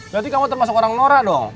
berarti kamu termasuk orang nora dong